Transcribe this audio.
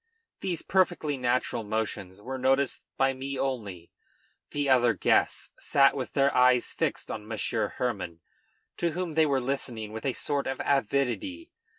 These perfectly natural motions were noticed by me only; the other guests sat with their eyes fixed on Monsieur Hermann, to whom they were listening with a sort of avidity.